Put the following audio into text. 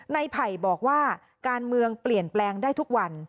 ไผ่บอกว่าการเมืองเปลี่ยนแปลงได้ทุกวัน